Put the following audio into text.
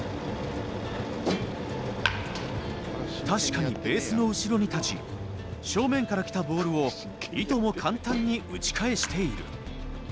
確かにベースの後ろに立ち正面から来たボールをいとも簡単に打ち返している。